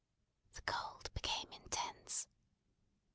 The cold became intense.